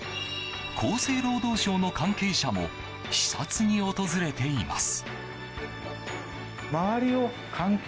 厚生労働省の関係者も視察に訪れています。